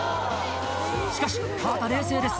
しかし、河田、冷静です。